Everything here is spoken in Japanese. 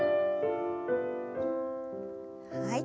はい。